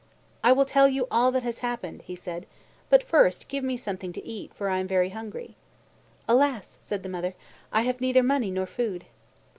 "I will tell you all that has happened," he said, "but first give me something to eat, for I am very hungry." "Alas!" said the mother. "I have neither money nor food."